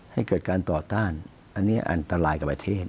ให้เกิดการต่อต้านอันนี้อันตรายกับประเทศ